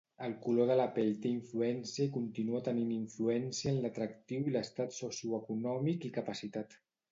El color de la pell té influència i continua tenint influència en l'atractiu i l'estat socioeconòmic i capacitat.